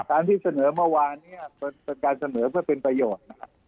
การที่เสนอเมื่อวานเป็นการเสนอเพื่อเป็นประโยชน์